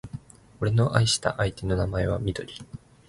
俺の愛した相手の名前はみどり